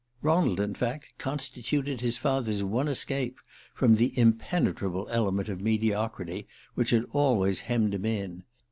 Ronald in fact constituted his father's one escape from the impenetrable element of mediocrity which had always hemmed him in.